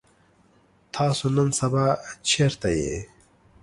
تاسو نن سبا چرته يئ؟